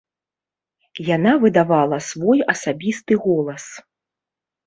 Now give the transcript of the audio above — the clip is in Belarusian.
Яна выдавала свой асабісты голас.